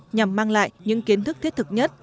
nhằm mang lại những kiến thức thiết thực nhất